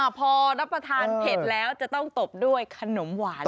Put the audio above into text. พอรับประทานเผ็ดแล้วจะต้องตบด้วยขนมหวาน